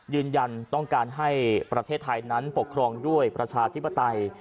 ยืนยันต้องการให้ประเทศไทยนั้นปกครองด้วยประชาธิปไตย